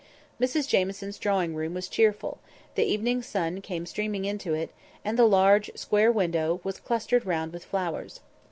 Mrs Jamieson's drawing room was cheerful; the evening sun came streaming into it, and the large square window was clustered round with flowers.